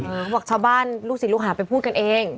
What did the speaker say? ก็บอกชาวบ้านลูกศีลุฮาไปพูดกันเอง